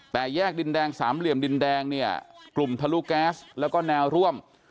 แต่แยกดินแดงสามเหลี่ยมดินแดงเนี่ยกลุ่มทะลุแก๊สแล้วก็แนวร่วม